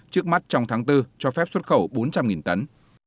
trước mắt trong tháng bốn cho phép xuất khẩu bốn trăm linh tấn